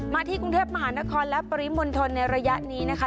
ที่กรุงเทพมหานครและปริมณฑลในระยะนี้นะคะ